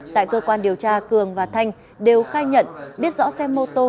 tại cơ quan điều tra cường và thanh đều khai nhận biết rõ xe mô tô